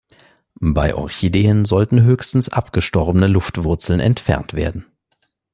Bei Orchideen sollten höchstens abgestorbene Luftwurzeln entfernt werden.